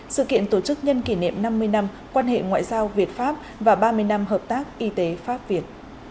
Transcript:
sự kiện tổ chức nhân kỷ niệm năm mươi năm quan hệ ngoại giao việt pháp và ba mươi năm hợp tác y tế pháp việt